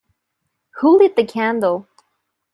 Who lit the candle?